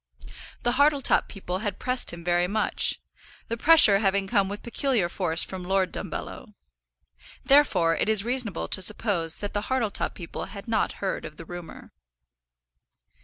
The Hartletop people had pressed him very much, the pressure having come with peculiar force from Lord Dumbello. Therefore it is reasonable to suppose that the Hartletop people had at any rate not heard of the rumour.